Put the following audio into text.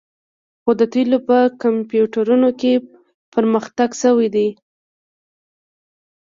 خو د تیلو په کمپیوټرونو کې پرمختګ شوی دی